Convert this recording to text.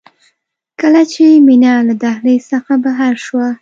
کله چې مينه له دهلېز څخه بهر شوه.